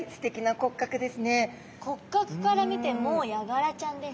骨格から見てもうヤガラちゃんです。